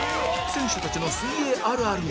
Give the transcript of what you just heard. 選手たちの水泳あるあるも